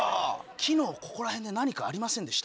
きのう、ここらへんで何かありませんでした？